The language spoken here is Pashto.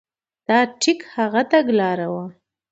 دا ټیک هغه تګلاره وه.